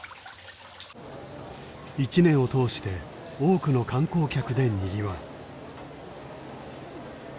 １年を通して多くの観光客でにぎわう。